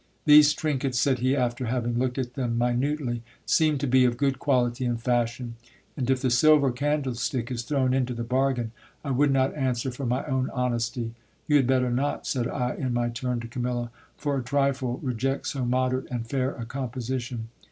These trinkets, said he, after having looked at them minutely, seem to be of good quality and fashion : and if the silver candlestick is thrown into the bargain, I would not answer for my own honesty. You had better not, said I in my turn to Camilla, for a trifle, reject so moderate and fair a composition.